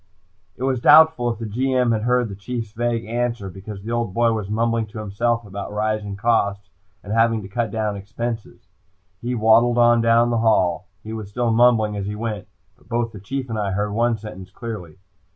It was doubtful if the G.M. heard the Chief's vague answer, because the old boy was mumbling to himself about rising costs and having to cut down expenses. He waddled on down the hall. He was still mumbling as he went, but both the Chief and I heard one sentence clearly.